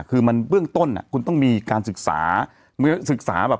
คือมันเบื้องต้นคุณต้องมีการศึกษาศึกษาแบบ